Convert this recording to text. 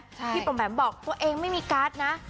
ใช่พี่ปำแปำบอกตัวเองไม่มีการ์ดนะ